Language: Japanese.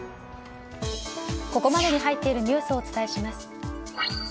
ここまでに入っているニュースをお伝えします。